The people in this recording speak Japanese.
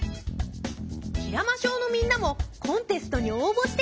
平間小のみんなもコンテストに応募してくれたよ！